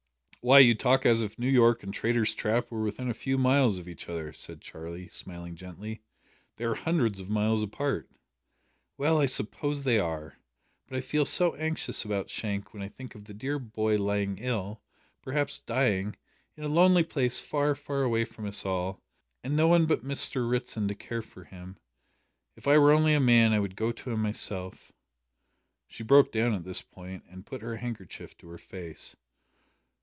"Why, you talk as if New York and Traitor's Trap were within a few miles of each other," said Charlie, smiling gently. "They are hundreds of miles apart." "Well, I suppose they are. But I feel so anxious about Shank when I think of the dear boy lying ill, perhaps dying, in a lonely place far far away from us all, and no one but Mr Ritson to care for him! If I were only a man I would go to him myself." She broke down at this point, and put her handkerchief to her face.